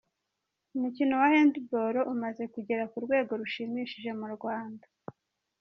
Umukino wa Handball umaze kugera ku rwego rushimishije mu Rwanda.